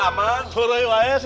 ya tenang itu sudah aman